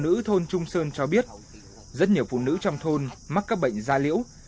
phụ nữ thôn trung sơn cho biết rất nhiều phụ nữ trong thôn mắc các bệnh da liễu